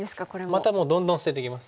またもうどんどん捨てていきます。